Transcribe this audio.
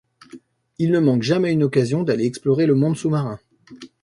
Ils ne manquent jamais une occasion d'aller explorer le monde sous-marin.